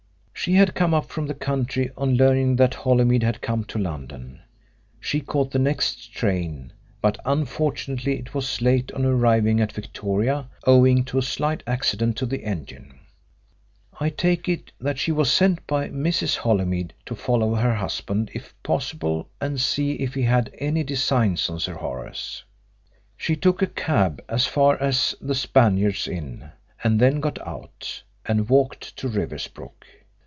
She had come up from the country on learning that Holymead had come to London. She caught the next train, but unfortunately it was late on arriving at Victoria owing to a slight accident to the engine. I take it that she was sent by Mrs. Holymead to follow her husband if possible and see if he had any designs on Sir Horace. She took a cab as far as the Spaniards Inn and then got out, and walked to Riversbrook.